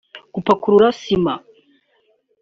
Gupakurura sima